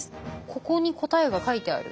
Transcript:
ここに答えが描いてある？